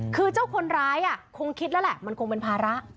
คือเจ้าคนร้ายคงคิดแล้วแหละมันคงเป็นภาระ